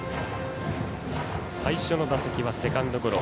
最初の打席はセカンドゴロ。